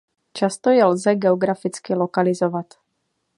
Často je lze geograficky lokalizovat.